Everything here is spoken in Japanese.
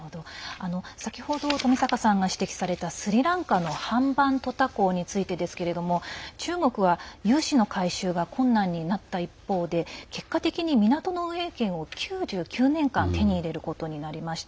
先ほど富阪さんが指摘されたスリランカのハンバントタ港についてですが中国は融資の回収が困難になった一方で結果的に港の運営権を９９年間手に入れることになりました。